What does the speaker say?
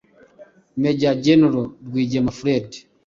Major General Rwigema Fred: